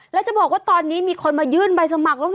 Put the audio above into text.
แล้วจะบอกว่าตอนนี้มีคนมายื่นใบสมัครแล้ว